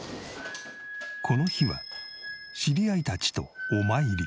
この日は知り合いたちとお参り。